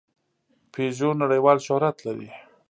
پيژو نړۍوال شهرت لري.